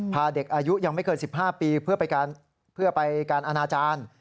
พาเด็กอายุยังไม่เกิน๑๕ปีเพื่อไปการอนาจารย์